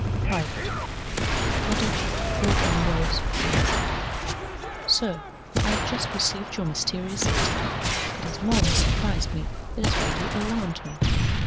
["Private."] "The Cottage, Thorpe Ambrose, Wednesday. "SIR I have just received your mysterious letter. It has more than surprised, it has really alarmed me.